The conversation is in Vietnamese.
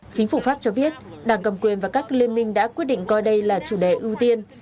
chính phủ pháp cho biết đảng cầm quyền và các liên minh đã quyết định coi đây là chủ đề ưu tiên